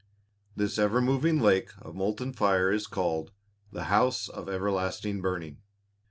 This ever moving lake of molten fire is called: "The House of Everlasting Burning."